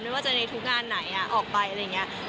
ไม่ว่าจะในทุกงานไหนออกไปอะไรอย่างนี้